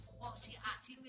oh si a si w